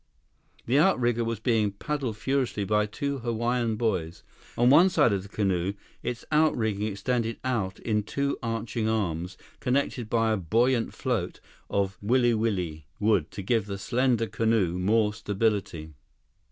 The outrigger was being paddled furiously by two Hawaiian boys. On one side of the canoe, its outrigging extended out in two arching arms, connected by a buoyant float of wiliwili wood to give the slender canoe more stability.